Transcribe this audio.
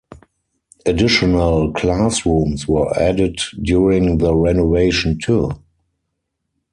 Additional classrooms were added during the renovation to.